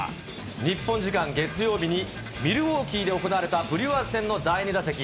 日本時間月曜日にミルウォーキーで行われたブリュワーズ戦の第２打席。